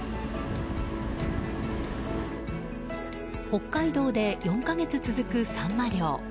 北海道で４か月続くサンマ漁。